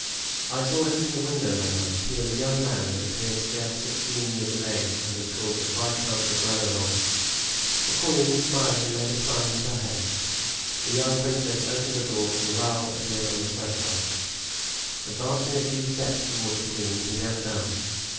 "I saw him from the window, madame; he is a young man that appears scarce sixteen years of age, and is called the Viscount de Bragelonne." The queen, smiling, made a sign with her head; the young princess opened the door and Raoul appeared on the threshold. Advancing a few steps toward the queen, he knelt down.